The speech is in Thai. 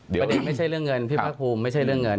ประเด็นไม่ใช่เรื่องเงินพี่ภาคภูมิไม่ใช่เรื่องเงิน